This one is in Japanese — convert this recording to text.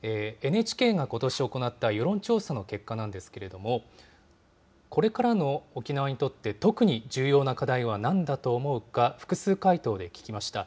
ＮＨＫがことし行った世論調査の結果なんですけれども、これからの沖縄にとって特に重要な課題はなんだと思うか、複数回答で聞きました。